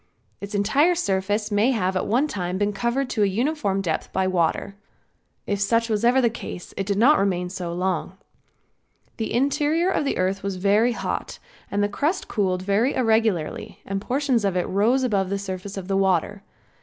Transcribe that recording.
Its entire surface may have at one time been covered to a uniform depth by water. If such was ever the case it did not remain so long. The interior of the earth was very hot and the crust cooled very irregularly and portions of it rose above the surface of the water.